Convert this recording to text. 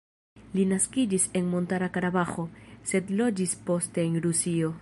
Li naskiĝis en Montara Karabaĥo, sed loĝis poste en Rusio.